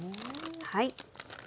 はい。